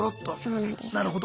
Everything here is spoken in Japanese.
なるほど。